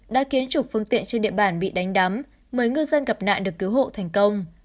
đã khiến chục phương tiện trên địa bàn bị đánh đắm một mươi ngư dân gặp nạn được cứu hộ thành công